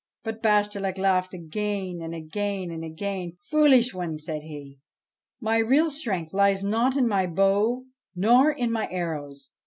But Bashtchelik laughed again, and again, and again. ' Foolish one 1 ' said he. ' My real strength lies not in my bow, nor in my arrows.